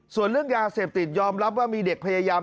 ส่วนเรื่องยาเสพติดยอมรับว่ามีเด็กพยายาม